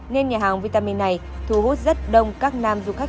nên nhà hàng vitamin này thu hút rất đông các nam du khách